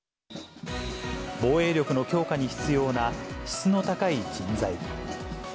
防衛力の強化に必要な質の高い人材。